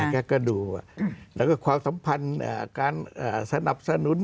แค่ก็ดูอืมแล้วก็ความสำพันธ์อ่าการอ่าสนับสนุน